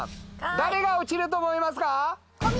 誰が落ちると思いますか？